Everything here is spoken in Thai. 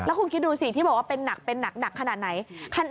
แล้วคุณคิดดูสิที่บอกว่าเป็นหนักขนาดไหน